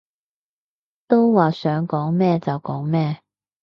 都話想講咩就講咩